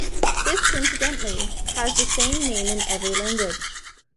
This coincidentally has the same name in every language.